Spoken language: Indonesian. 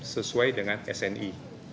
sesuai dengan sni